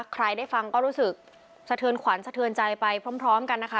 ใครได้ฟังก็รู้สึกสะเทือนขวัญสะเทือนใจไปพร้อมกันนะคะ